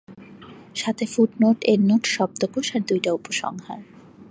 সাথে footnote, endnote, শব্দকোষ আর দুইটা উপসংহার।